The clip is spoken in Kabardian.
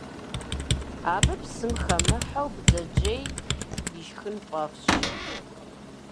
Абы псым хэмыхьэу бдзэжьей ишхын фӀэфӀщ.